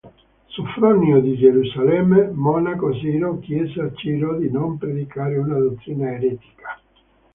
Sofronio di Gerusalemme, monaco siro, chiese a Ciro di non predicare una dottrina eretica.